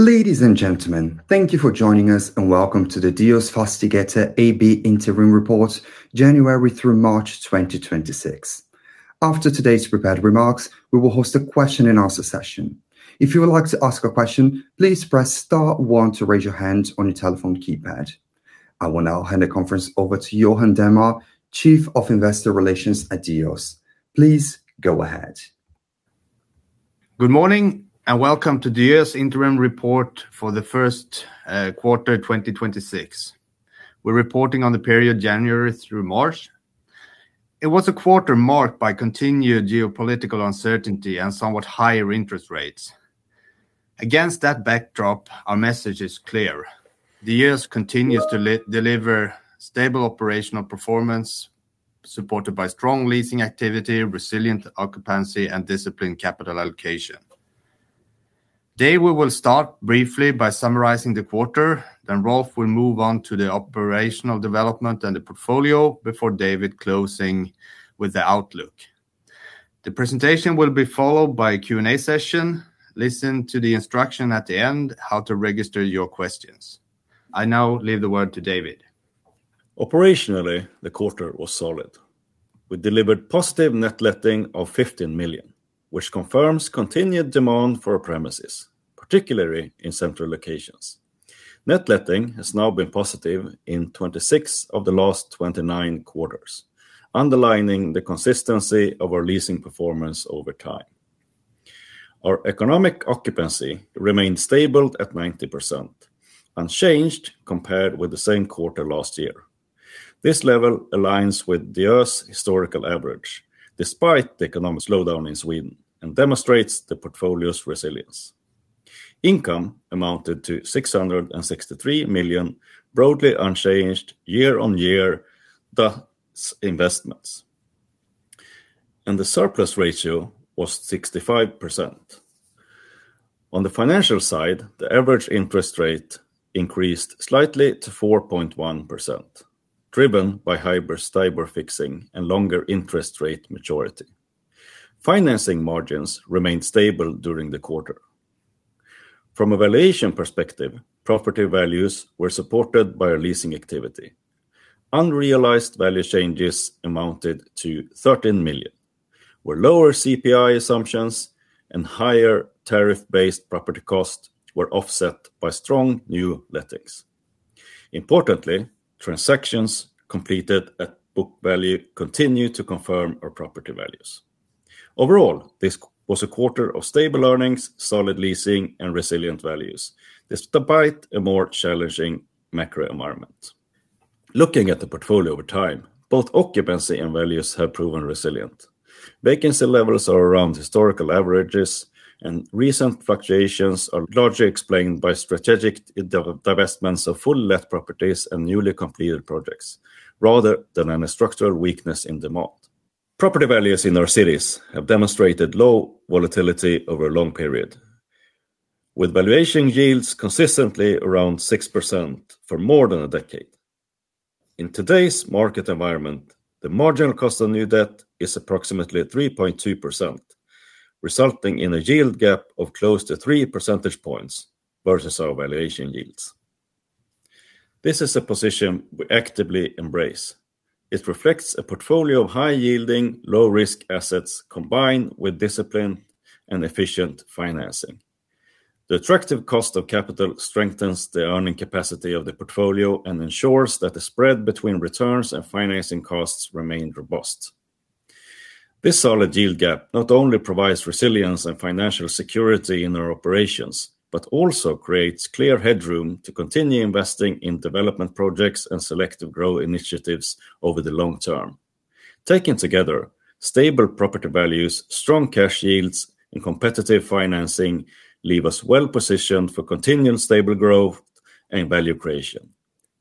Ladies and gentlemen, thank you for joining us, and welcome to the Diös Fastigheter AB Interim Report, January through March 2026. After today's prepared remarks, we will host a question and answer session. I will now hand the conference over to Johan Dernmar, Chief of Investor Relations at Diös. Please go ahead. Good morning, and welcome to Diös Interim Report for the 1st quarter 2026. We're reporting on the period January through March. It was a quarter marked by continued geopolitical uncertainty and somewhat higher interest rates. Against that backdrop, our message is clear. Diös continues to deliver stable operational performance, supported by strong leasing activity, resilient occupancy, and disciplined capital allocation. Today we will start briefly by summarizing the quarter, then Rolf will move on to the operational development and the portfolio before David closing with the outlook. The presentation will be followed by a Q&A session. Listen to the instruction at the end how to register your questions. I now leave the word to David. Operationally, the quarter was solid. We delivered positive net letting of 15 million, which confirms continued demand for our premises, particularly in central locations. Net letting has now been positive in 26 of the last 29 quarters, underlining the consistency of our leasing performance over time. Our economic occupancy remained stable at 90%, unchanged compared with the same quarter last year. This level aligns with Diös' historical average, despite the economic slowdown in Sweden, and demonstrates the portfolio's resilience. Income amounted to 663 million, broadly unchanged year-on-year, thus investments. The surplus ratio was 65%. On the financial side, the average interest rate increased slightly to 4.1%, driven by higher Stibor fixing and longer interest rate maturity. Financing margins remained stable during the quarter. From a valuation perspective, property values were supported by our leasing activity. Unrealized value changes amounted to 13 million, where lower CPI assumptions and higher tariff-based property costs were offset by strong new lettings. Importantly, transactions completed at book value continue to confirm our property values. Overall, this was a quarter of stable earnings, solid leasing, and resilient values, despite a more challenging macro environment. Looking at the portfolio over time, both occupancy and values have proven resilient. Vacancy levels are around historical averages, and recent fluctuations are largely explained by strategic divestments of full let properties and newly completed projects, rather than any structural weakness in demand. Property values in our cities have demonstrated low volatility over a long period, with valuation yields consistently around 6% for more than a decade. In today's market environment, the marginal cost of new debt is approximately 3.2%, resulting in a yield gap of close to 3 percentage points versus our valuation yields. This is a position we actively embrace. It reflects a portfolio of high-yielding, low-risk assets combined with discipline and efficient financing. The attractive cost of capital strengthens the earning capacity of the portfolio and ensures that the spread between returns and financing costs remain robust. This solid yield gap not only provides resilience and financial security in our operations, but also creates clear headroom to continue investing in development projects and selective growth initiatives over the long term. Taken together, stable property values, strong cash yields, and competitive financing leave us well-positioned for continued stable growth and value creation,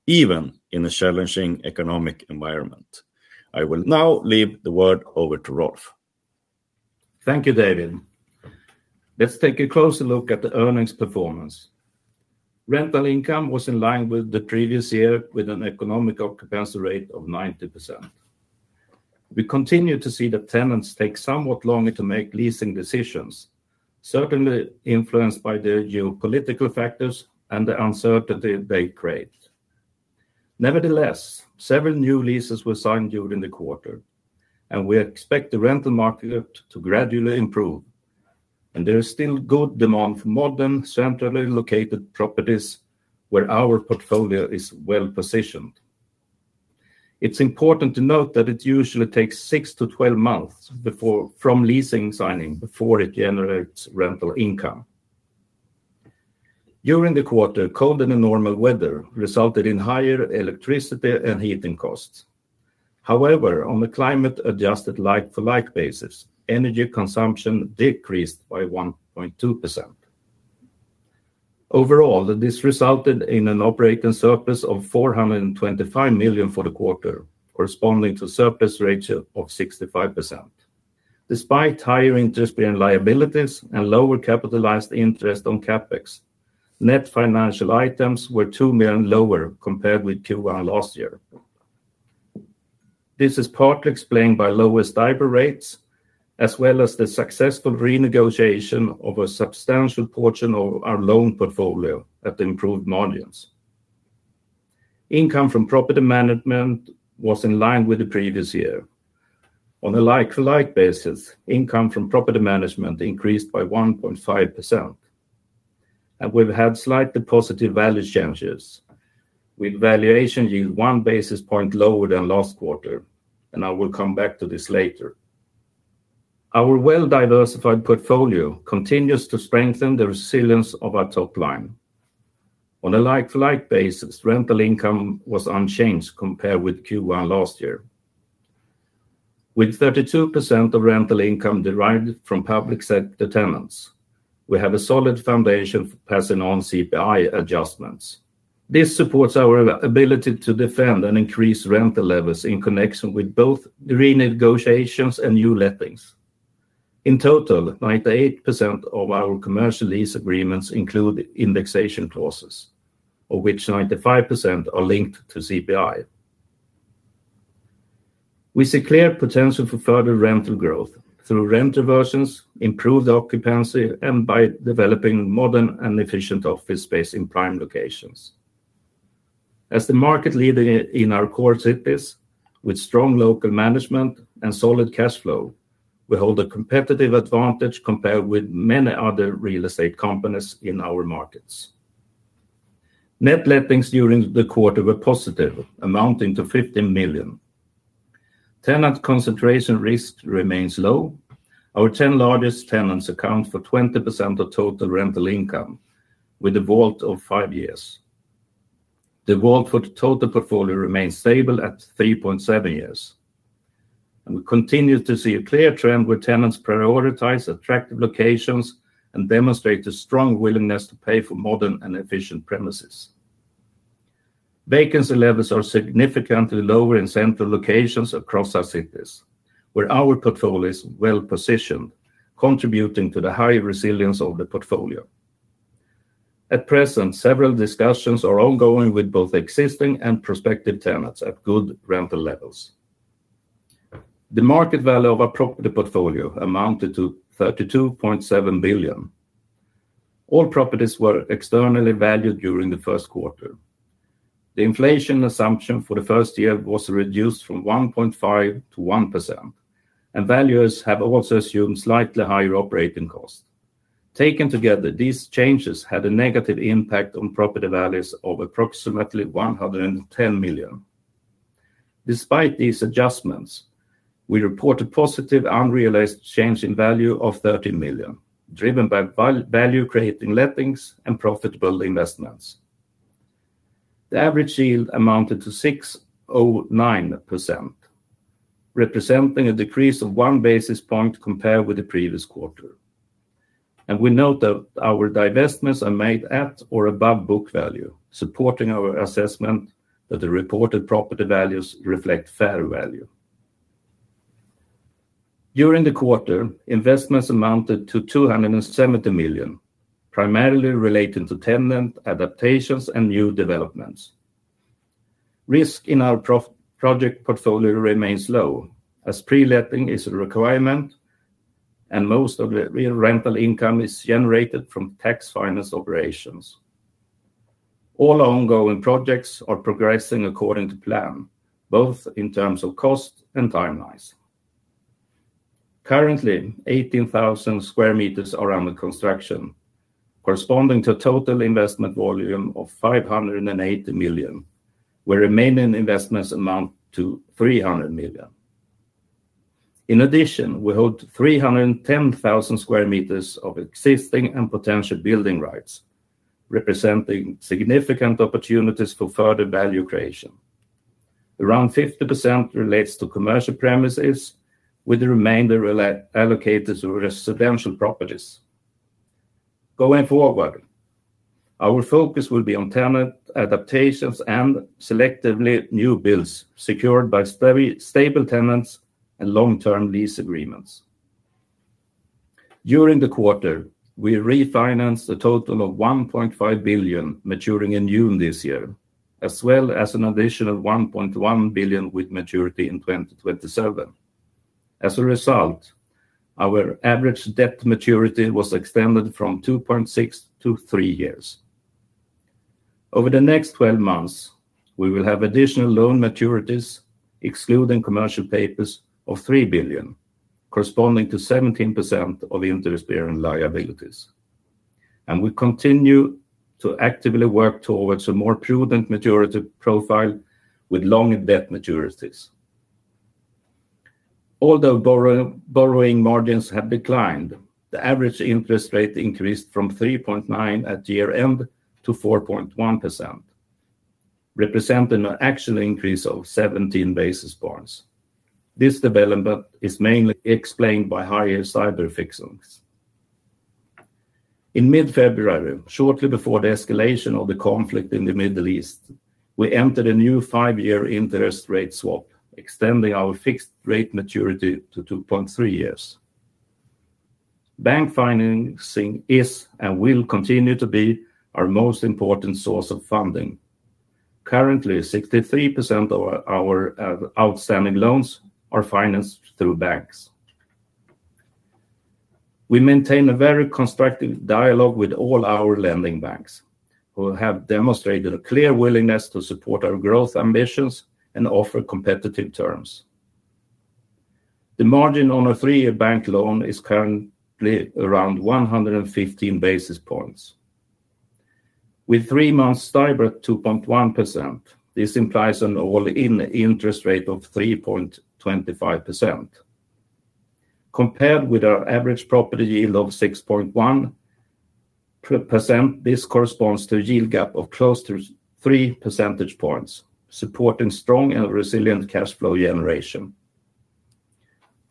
even in a challenging economic environment. I will now leave the word over to Rolf. Thank you, David. Let's take a closer look at the earnings performance. Rental income was in line with the previous year with an economic occupancy rate of 90%. We continue to see that tenants take somewhat longer to make leasing decisions, certainly influenced by the geopolitical factors and the uncertainty they create. Nevertheless, several new leases were signed during the quarter, and we expect the rental market to gradually improve. There is still good demand for modern, centrally located properties where our portfolio is well-positioned. It's important to note that it usually takes six to 12 months from leasing signing before it generates rental income. During the quarter, colder than normal weather resulted in higher electricity and heating costs. However, on a climate-adjusted like-for-like basis, energy consumption decreased by 1.2%. Overall, this resulted in an operating surplus of 425 million for the quarter, corresponding to a surplus ratio of 65%. Despite higher interest-bearing liabilities and lower capitalized interest on CapEx, net financial items were 2 million lower compared with Q1 last year. This is partly explained by lower Stibor rates, as well as the successful renegotiation of a substantial portion of our loan portfolio at the improved margins. Income from property management was in line with the previous year. On a like-to-like basis, income from property management increased by 1.5%. We've had slightly positive value changes, with valuation yield one basis point lower than last quarter, and I will come back to this later. Our well-diversified portfolio continues to strengthen the resilience of our top line. On a like-to-like basis, rental income was unchanged compared with Q1 last year. With 32% of rental income derived from public sector tenants, we have a solid foundation for passing on CPI adjustments. This supports our ability to defend and increase rental levels in connection with both renegotiations and new lettings. In total, 98% of our commercial lease agreements include indexation clauses, of which 95% are linked to CPI. We see clear potential for further rental growth through rent reversions, improved occupancy, and by developing modern and efficient office space in prime locations. As the market leader in our core cities with strong local management and solid cash flow, we hold a competitive advantage compared with many other real estate companies in our markets. Net lettings during the quarter were positive, amounting to 15 million. Tenant concentration risk remains low. Our 10 largest tenants account for 20% of total rental income with a WAULT of five years. The WAULT for the total portfolio remains stable at 3.7 years, We continue to see a clear trend where tenants prioritize attractive locations and demonstrate a strong willingness to pay for modern and efficient premises. Vacancy levels are significantly lower in central locations across our cities, where our portfolio is well-positioned, contributing to the high resilience of the portfolio. At present, several discussions are ongoing with both existing and prospective tenants at good rental levels. The market value of our property portfolio amounted to 32.7 billion. All properties were externally valued during the first quarter. The inflation assumption for the first year was reduced from 1.5 to 1%, and valuers have also assumed slightly higher operating costs. Taken together, these changes had a negative impact on property values of approximately 110 million. Despite these adjustments, we report a positive unrealized change in value of 13 million, driven by value-creating lettings and profitable investments. The average yield amounted to 6.09%, representing a decrease of 1 basis point compared with the previous quarter. We note that our divestments are made at or above book value, supporting our assessment that the reported property values reflect fair value. During the quarter, investments amounted to 270 million, primarily related to tenant adaptations and new developments. Risk in our project portfolio remains low, as pre-letting is a requirement and most of the rental income is generated from tax-financed operations. All ongoing projects are progressing according to plan, both in terms of cost and timelines. Currently, 18,000 sq m are under construction, corresponding to a total investment volume of 580 million, where remaining investments amount to 300 million. In addition, we hold 310,000 sq m of existing and potential building rights, representing significant opportunities for further value creation. Around 50% relates to commercial premises, with the remainder allocated to residential properties. Going forward, our focus will be on tenant adaptations and selectively new builds secured by stable tenants and long-term lease agreements. During the quarter, we refinanced a total of 1.5 billion maturing in June this year, as well as an additional 1.1 billion with maturity in 2027. As a result, our average debt maturity was extended from 2.6 years to three years. Over the next 12 months, we will have additional loan maturities, excluding commercial papers, of 3 billion, corresponding to 17% of interest-bearing liabilities. We continue to actively work towards a more prudent maturity profile with longer debt maturities. Although borrowing margins have declined, the average interest rate increased from 3.9% at year-end to 4.1%, representing an actual increase of 17 basis points. This development is mainly explained by higher Stibor fixings. In mid-February, shortly before the escalation of the conflict in the Middle East, we entered a new five-year interest rate swap, extending our fixed rate maturity to 2.3 years. Bank financing is and will continue to be our most important source of funding. Currently, 63% of our outstanding loans are financed through banks. We maintain a very constructive dialogue with all our lending banks who have demonstrated a clear willingness to support our growth ambitions and offer competitive terms. The margin on a three-year bank loan is currently around 115 basis points. With three-month Stibor at 2.1%, this implies an all-in interest rate of 3.25%. Compared with our average property yield of 6.1%, this corresponds to a yield gap of close to 3 percentage points, supporting strong and resilient cash flow generation.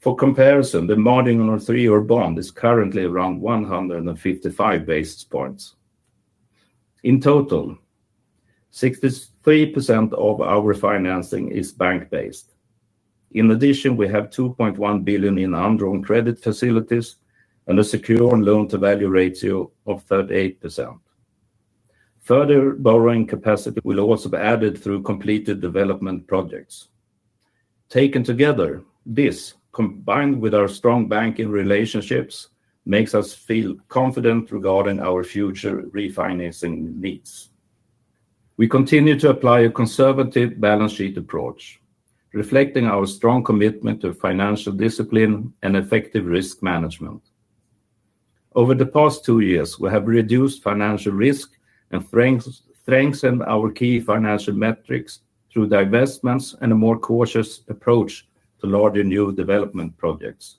For comparison, the margin on a three-year bond is currently around 155 basis points. In total, 63% of our financing is bank-based. In addition, we have 2.1 billion in undrawn credit facilities and a secured loan-to-value ratio of 38%. Further borrowing capacity will also be added through completed development projects. Taken together, this, combined with our strong banking relationships, makes us feel confident regarding our future refinancing needs. We continue to apply a conservative balance sheet approach, reflecting our strong commitment to financial discipline and effective risk management. Over the past two years, we have reduced financial risk and strengthened our key financial metrics through divestments and a more cautious approach to larger new development projects.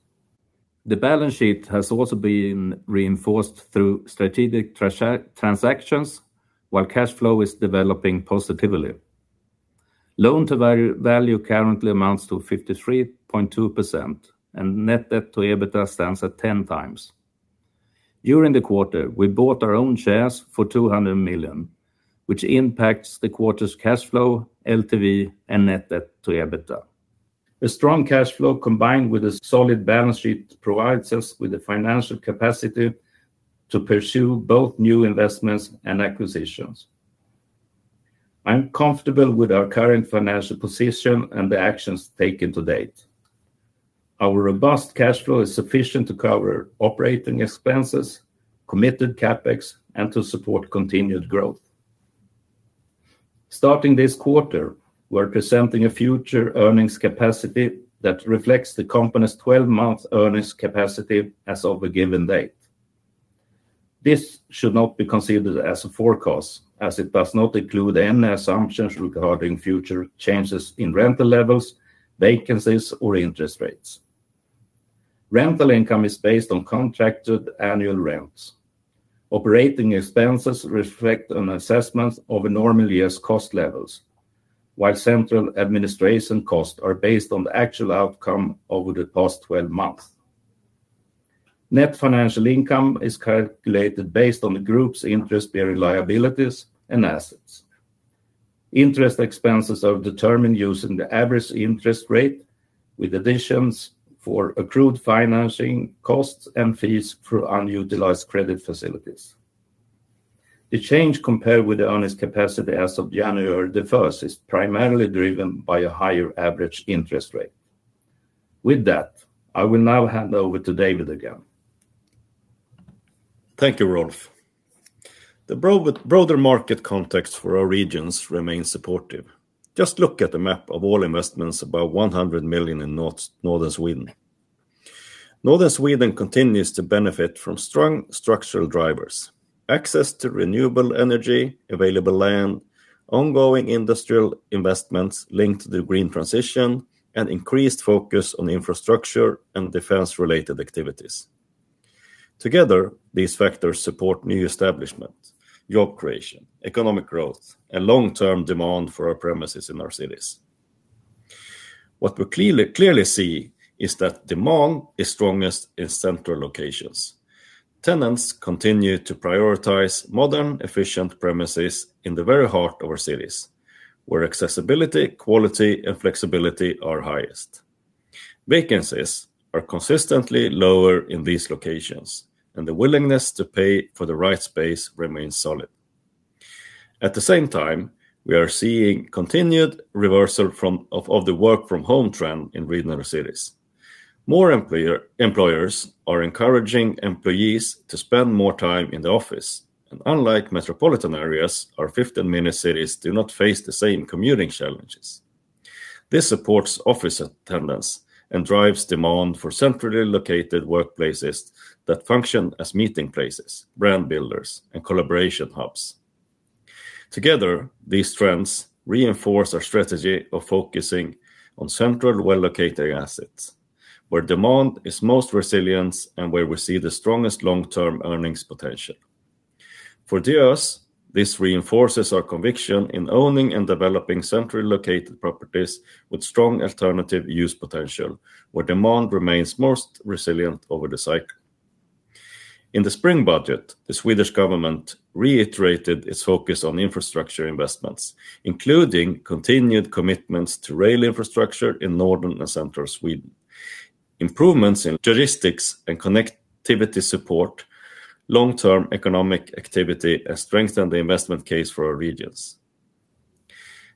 The balance sheet has also been reinforced through strategic transactions, while cash flow is developing positively. Loan-to-value currently amounts to 53.2%, and net debt to EBITDA stands at 10x. During the quarter, we bought our own shares for 200 million, which impacts the quarter's cash flow, LTV, and net debt to EBITDA. A strong cash flow combined with a solid balance sheet provides us with the financial capacity to pursue both new investments and acquisitions. I'm comfortable with our current financial position and the actions taken to date. Our robust cash flow is sufficient to cover operating expenses, committed CapEx, and to support continued growth. Starting this quarter, we're presenting a future earnings capacity that reflects the company's 12-month earnings capacity as of a given date. This should not be considered as a forecast, as it does not include any assumptions regarding future changes in rental levels, vacancies, or interest rates. Rental income is based on contracted annual rents. Operating expenses reflect an assessment of a normal year's cost levels, while central administration costs are based on the actual outcome over the past 12 months. Net financial income is calculated based on the group's interest-bearing liabilities and assets. Interest expenses are determined using the average interest rate with additions for accrued financing costs and fees for unutilized credit facilities. The change compared with the earnings capacity as of January the 1st is primarily driven by a higher average interest rate. With that, I will now hand over to David again. Thank you, Rolf. The broader market context for our regions remains supportive. Just look at the map of all investments above 100 million in Northern Sweden. Northern Sweden continues to benefit from strong structural drivers: access to renewable energy, available land, ongoing industrial investments linked to the green transition, and increased focus on infrastructure and defense-related activities. Together, these factors support new establishment, job creation, economic growth, and long-term demand for our premises in our cities. What we clearly see is that demand is strongest in central locations. Tenants continue to prioritize modern, efficient premises in the very heart of our cities, where accessibility, quality, and flexibility are highest. Vacancies are consistently lower in these locations, and the willingness to pay for the right space remains solid. At the same time, we are seeing continued reversal of the work from home trend in regional cities. More employers are encouraging employees to spend more time in the office. Unlike metropolitan areas, our 15-minute cities do not face the same commuting challenges. This supports office attendance and drives demand for centrally located workplaces that function as meeting places, brand builders, and collaboration hubs. Together, these trends reinforce our strategy of focusing on central, well-located assets, where demand is most resilient and where we see the strongest long-term earnings potential. For Diös, this reinforces our conviction in owning and developing centrally located properties with strong alternative use potential, where demand remains most resilient over the cycle. In the spring budget, the Swedish government reiterated its focus on infrastructure investments, including continued commitments to rail infrastructure in northern and central Sweden. Improvements in logistics and connectivity support long-term economic activity and strengthen the investment case for our regions.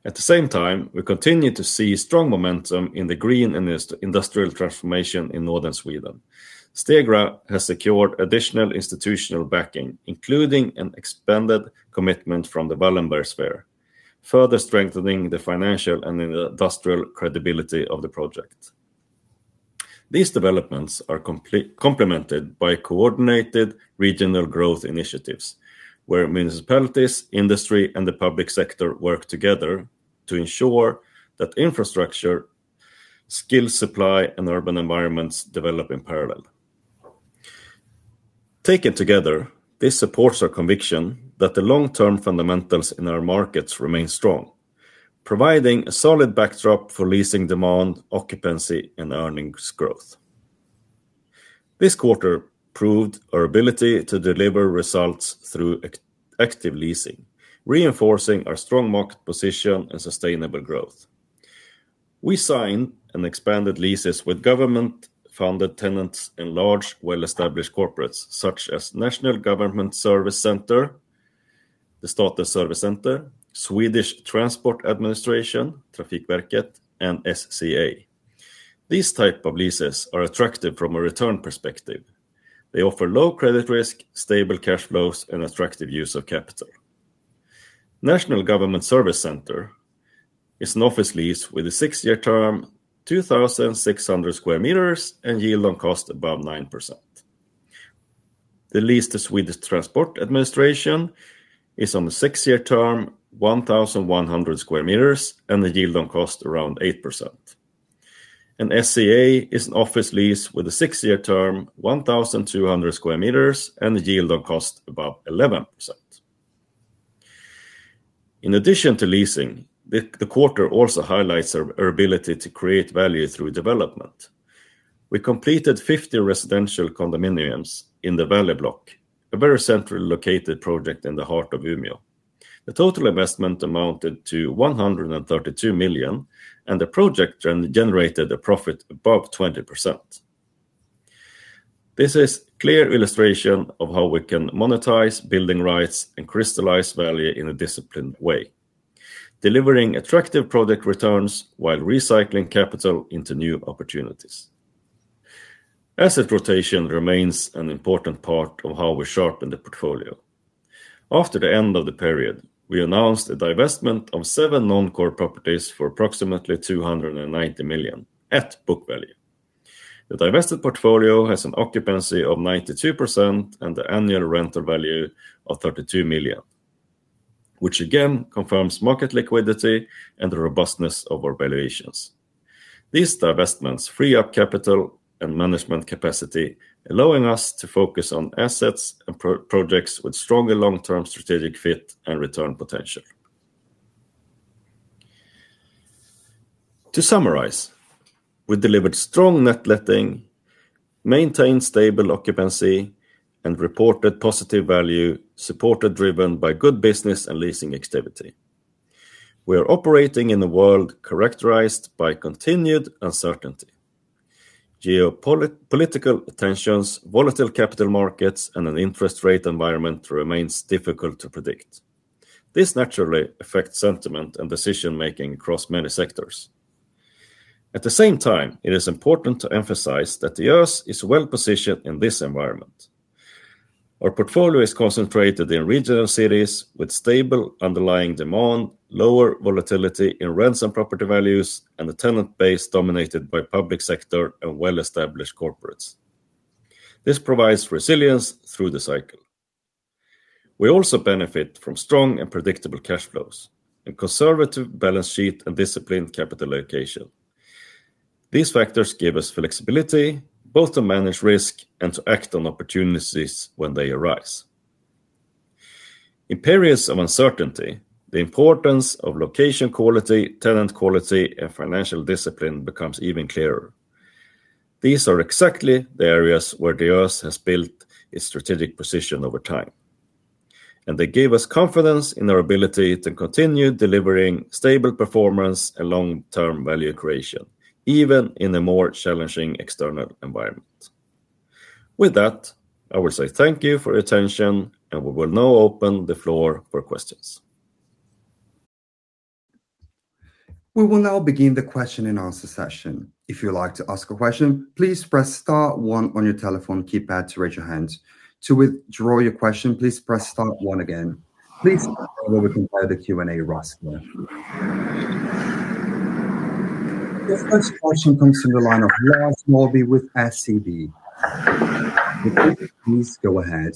At the same time, we continue to see strong momentum in the green industrial transformation in Northern Sweden. Stegra has secured additional institutional backing, including an expanded commitment from the Wallenberg sphere, further strengthening the financial and industrial credibility of the project. These developments are complemented by coordinated regional growth initiatives where municipalities, industry, and the public sector work together to ensure that infrastructure, skill supply, and urban environments develop in parallel. Taken together, this supports our conviction that the long-term fundamentals in our markets remain strong, providing a solid backdrop for leasing demand, occupancy, and earnings growth. This quarter proved our ability to deliver results through active leasing, reinforcing our strong market position and sustainable growth. We signed and expanded leases with government-funded tenants and large, well-established corporates, such as National Government Service Centre, Statens servicecenter, Swedish Transport Administration, Trafikverket, and SCA. These type of leases are attractive from a return perspective. They offer low credit risk, stable cash flows, and attractive use of capital. Statens servicecenter is an office lease with a six-year term, 2,600 sq m, and yield on cost above 9%. The lease to Swedish Transport Administration is on the six-year term, 1,100 sq m, and the yield on cost around 8%. SCA is an office lease with a six-year term, 1,200 sq m, and a yield on cost above 11%. In addition to leasing, the quarter also highlights our ability to create value through development. We completed 50 residential condominiums in the Vale block, a very centrally located project in the heart of Umeå. The total investment amounted to 132 million, and the project generated a profit above 20%. This is clear illustration of how we can monetize building rights and crystallize value in a disciplined way, delivering attractive project returns while recycling capital into new opportunities. Asset rotation remains an important part of how we sharpen the portfolio. After the end of the period, we announced a divestment of seven non-core properties for approximately 290 million at book value. The divested portfolio has an occupancy of 92% and the annual rental value of 32 million, which again confirms market liquidity and the robustness of our valuations. These divestments free up capital and management capacity, allowing us to focus on assets and projects with stronger long-term strategic fit and return potential. To summarize, we delivered strong net letting, maintained stable occupancy, and reported positive value, driven by good business and leasing activity. We are operating in a world characterized by continued uncertainty. Political tensions, volatile capital markets, and an interest rate environment remains difficult to predict. This naturally affects sentiment and decision-making across many sectors. It is important to emphasize that Diös is well-positioned in this environment. Our portfolio is concentrated in regional cities with stable underlying demand, lower volatility in rents and property values, and a tenant base dominated by public sector and well-established corporates. This provides resilience through the cycle. We also benefit from strong and predictable cash flows and conservative balance sheet and disciplined capital allocation. These factors give us flexibility both to manage risk and to act on opportunities when they arise. In periods of uncertainty, the importance of location quality, tenant quality, and financial discipline becomes even clearer. These are exactly the areas where Diös has built its strategic position over time, and they give us confidence in our ability to continue delivering stable performance and long-term value creation, even in a more challenging external environment. With that, I will say thank you for your attention, and we will now open the floor for questions. We will now begin the question and answer session. If you'd like to ask a question, please press star one on your telephone keypad to raise your hand. To withdraw your question, please press star one again. This first question comes from the line of Lars Norrby with SEB. Please go ahead.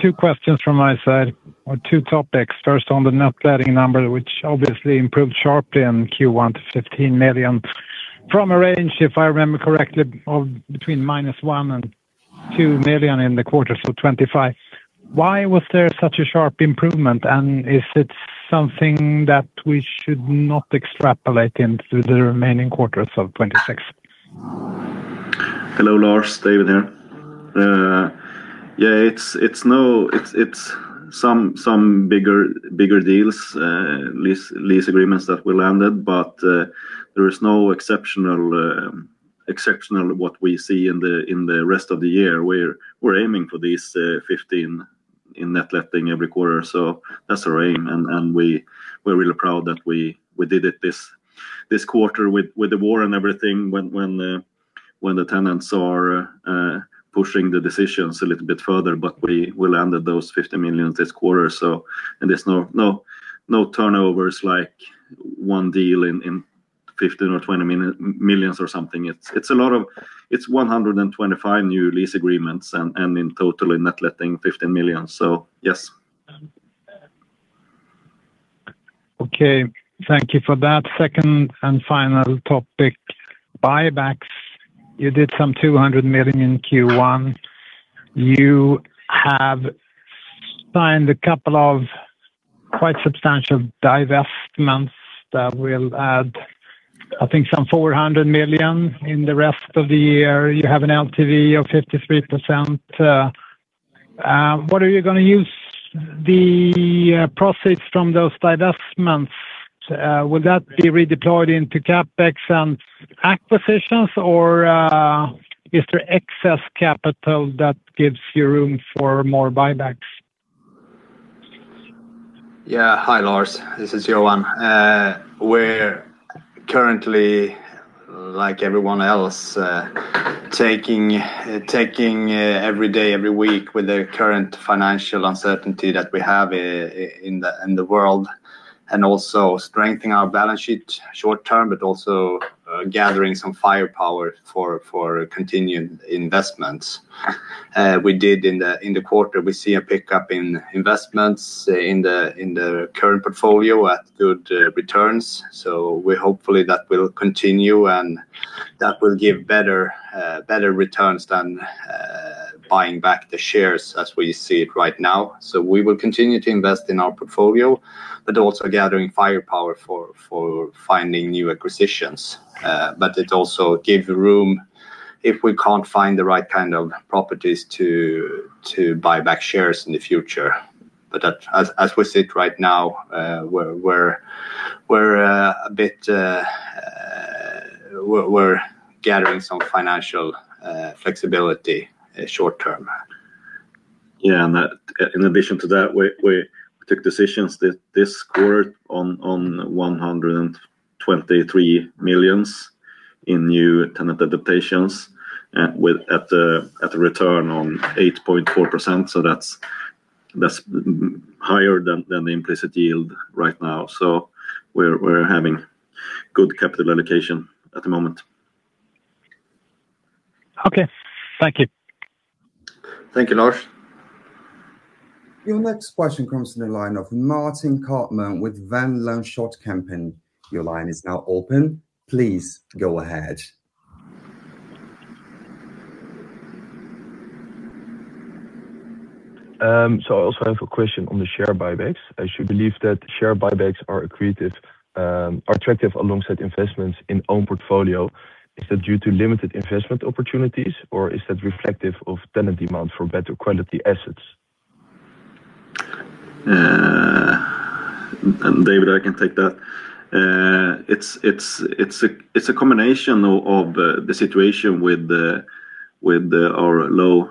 Two questions from my side or two topics. First, on the net letting number, which obviously improved sharply in Q1 to 15 million from a range, if I remember correctly, of between -1 million and 2 million in the quarter, so 25. Why was there such a sharp improvement, and is it something that we should not extrapolate into the remaining quarters of 2026? Hello, Lars. David here. It's some bigger deals, lease agreements that we landed, but there is no exceptional what we see in the rest of the year. We're aiming for this 15 million in net letting every quarter. That's our aim, and we're really proud that we did it this quarter with the war and everything when the tenants are pushing the decisions a little bit further. We will land those 50 million this quarter. There's no turnovers like one deal in 15 million or 20 million or something. It's 125 new lease agreements and in total in net letting 15 million. Yes. Okay. Thank you for that. Second and final topic, buybacks. You did some 200 million in Q1. You have signed a couple of quite substantial divestments that will add, I think, some 400 million in the rest of the year. You have an LTV of 53%, what are you gonna use the proceeds from those divestments? Will that be redeployed into CapEx and acquisitions or, is there excess capital that gives you room for more buybacks? Yeah. Hi, Lars. This is Johan. We're currently, like everyone else, taking every day, every week with the current financial uncertainty that we have in the world, and also strengthening our balance sheet short term, but also gathering some firepower for continued investments. We did in the quarter, we see a pickup in investments in the current portfolio at good returns. We hopefully that will continue, and that will give better returns than buying back the shares as we see it right now. We will continue to invest in our portfolio, but also gathering firepower for finding new acquisitions. It also give room if we can't find the right kind of properties to buy back shares in the future. As we sit right now, we're a bit, we're gathering some financial flexibility short term. Yeah. In addition to that, we took decisions this quarter on 123 million in new tenant adaptations at a return on 8.4%. That's higher than the implicit yield right now. We're having good capital allocation at the moment. Okay. Thank you. Thank you, Lars. Your next question comes in the line of Martijn Kartman with Van Lanschot Kempen. Your line is now open. Please go ahead. I also have a question on the share buybacks. As you believe that share buybacks are accretive, are attractive alongside investments in own portfolio, is that due to limited investment opportunities, or is that reflective of tenant demand for better quality assets? This is David. I can take that. It's a combination of the situation with the our low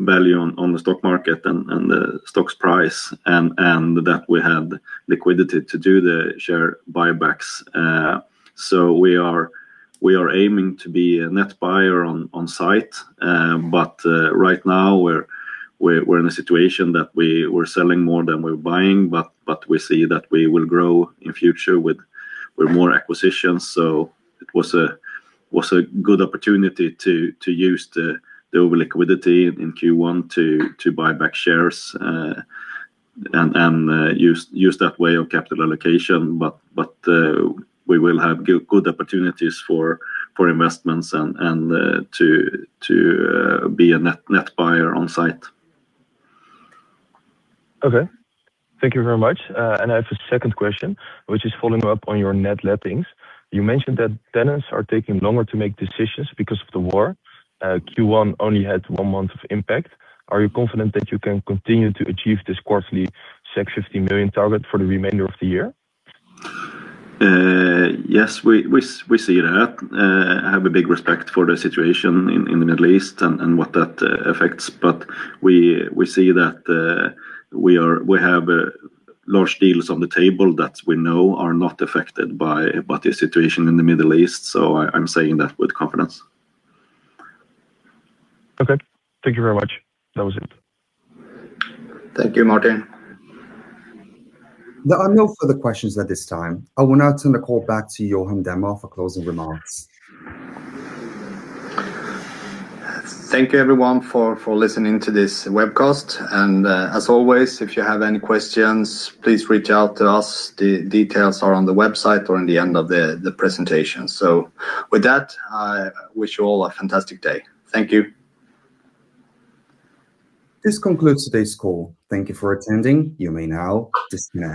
value on the stock market and the stocks price, and that we have the liquidity to do the share buybacks. We are aiming to be a net buyer on site. Right now we're in a situation that we're selling more than we're buying. We see that we will grow in future with more acquisitions. It was a good opportunity to use the over liquidity in Q1 to buy back shares and use that way of capital allocation. We will have good opportunities for investments and to be a net buyer on site. Okay. Thank you very much. I have a second question, which is following up on your net lettings. You mentioned that tenants are taking longer to make decisions because of the war. Q1 only had one month of impact. Are you confident that you can continue to achieve this quarterly 15 million target for the remainder of the year? Yes. We see that. Have a big respect for the situation in the Middle East and what that affects. We see that we have large deals on the table that we know are not affected by the situation in the Middle East. I'm saying that with confidence. Okay. Thank you very much. That was it. Thank you, Martijn. There are no further questions at this time. I will now turn the call back to Johan Dernmar for closing remarks. Thank you everyone for listening to this webcast. As always, if you have any questions, please reach out to us. The details are on the website or in the end of the presentation. With that, I wish you all a fantastic day. Thank you. This concludes today's call. Thank you for attending. You may now disconnect.